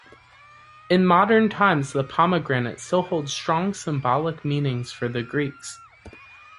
In modern times, the pomegranate still holds strong symbolic meanings for the Greeks.